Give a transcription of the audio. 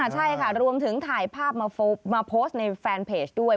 ใช่ค่ะรวมถึงถ่ายภาพมาโพสต์ในแฟนเพจด้วย